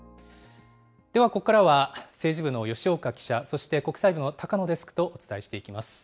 ではここからは、政治部の吉岡記者、そして国際部の高野デスクとお伝えしていきます。